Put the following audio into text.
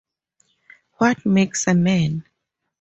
What Makes a Man?